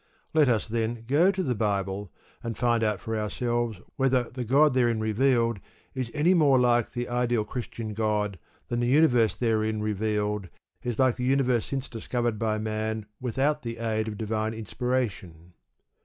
Let us, then, go to the Bible, and find out for ourselves whether the God therein revealed is any more like the ideal Christian God than the universe therein revealed is like the universe since discovered by man without the aid of divine inspiration.